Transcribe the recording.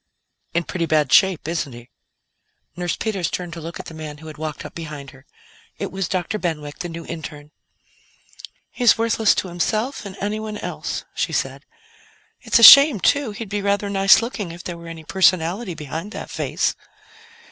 "In pretty bad shape, isn't he?" Nurse Peters turned to look at the man who had walked up behind her. It was Dr. Benwick, the new interne. "He's worthless to himself and anyone else," she said. "It's a shame, too; he'd be rather nice looking if there were any personality behind that face."